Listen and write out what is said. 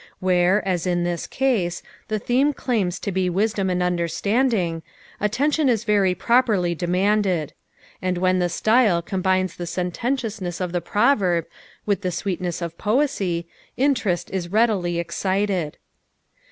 Where, as ia this case, the tlieme claims to be wisdom and UDderstanding, attention is very properlj demanded ; and when the style combines the senteotiousneas of the proTerb with the sweetness of poesy, JDterest is readily excited.